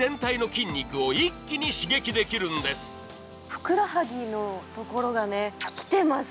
ふくらはぎのところがきてます。